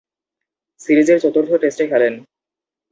সিরিজের চতুর্থ টেস্টে খেলেন।